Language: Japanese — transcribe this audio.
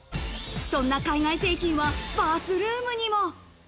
そんな海外製品はバスルームにも。